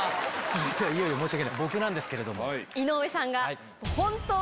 続いてはいよいよ申し訳ない僕なんですけれども。